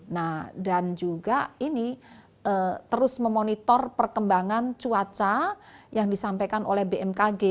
nah dan juga ini terus memonitor perkembangan cuaca yang disampaikan oleh bmkg